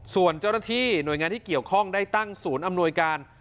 ส่วนเจ้าหน้าที่หน่วยงานที่เกี่ยวข้องได้ตั้งศูนย์อำนวยการ